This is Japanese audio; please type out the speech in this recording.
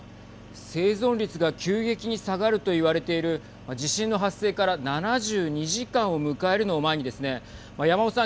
生存率が急激に下がると言われている地震の発生から７２時間を迎えるのを前にですね山尾さん。